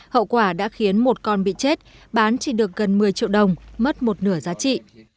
hậu quả đã khiến một con bị chết bán chỉ được gần một mươi triệu đồng mất một nửa giá trị